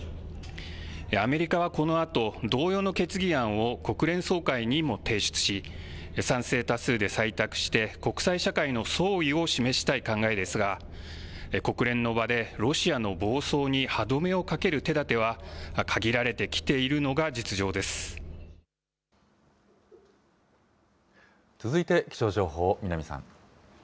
アメリカはこのあと、同様の決議案を国連総会にも提出し、賛成多数で採択して、国際社会の総意を示したい考えですが、国連の場で、ロシアの暴走に歯止めをかける手だては限られてきているのが実情続いて気象情報、南さん。